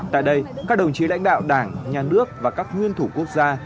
tại đây các đồng chí lãnh đạo đảng nhà nước và các nguyên thủ quốc gia